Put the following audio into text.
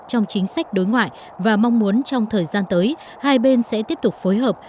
trong chính sách đối ngoại và mong muốn trong thời gian tới hai bên sẽ tiếp tục phối hợp